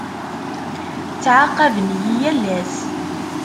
Ttɛaqaben-iyi yal ass.